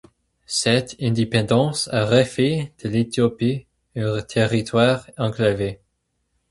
Cette indépendance a refait de l'Éthiopie un territoire enclavé.